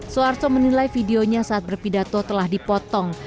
soeharto menilai videonya saat berpidato telah dipotong